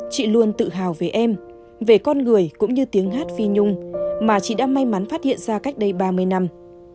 chị luôn tự hào về em về con người cũng như tiếng hát phi nhung mà chị đã may mắn phát hiện ra cách đây ba mươi năm